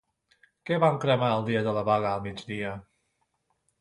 Què van cremar el dia de la vaga al migdia?